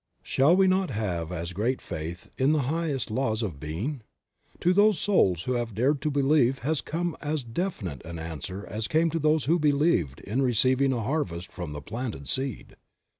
Shall we not have as great faith in the higher laws of being? To those souls who have dared to believe has come as definite an answer as came to those who believed in receiving a harvest trom the planted seed.